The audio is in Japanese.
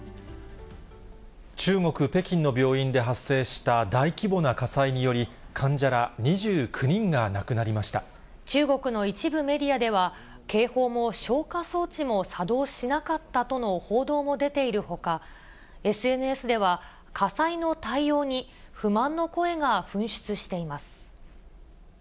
中国・北京の病院で発生した大規模な火災により、中国の一部メディアでは、警報も消火装置も作動しなかったとの報道も出ているほか、ＳＮＳでは、火災の対応に不満の声が噴出しています。